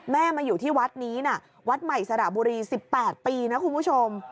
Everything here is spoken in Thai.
มาอยู่ที่วัดนี้นะวัดใหม่สระบุรี๑๘ปีนะคุณผู้ชม